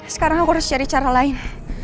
sekarang aku harus cari cara lain